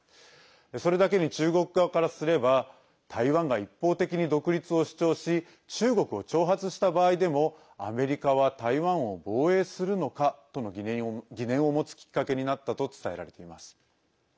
それだけに中国側からすれば台湾が一方的に独立を主張し中国を挑発した場合でもアメリカは台湾を防衛するのかとの疑念を持つきっかけになったと伝えられています。